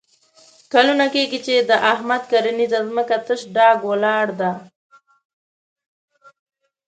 کلونه کېږي چې د احمد کرنیزه ځمکه تش ډاګ ولاړه ده.